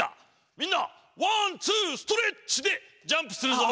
みんな「ワンツーストレッチ」でジャンプするぞ。